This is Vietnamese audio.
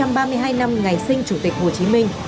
một trăm ba mươi hai năm ngày sinh chủ tịch hồ chí minh